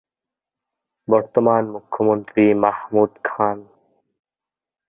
বর্তমান মুখ্যমন্ত্রী মাহমুদ খান।